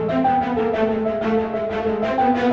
punya ayah dan ibu